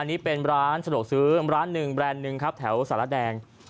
อันนี้เป็นร้านสะดวกซื้อร้านหนึ่งแบรนด์หนึ่งครับแถวสารแดง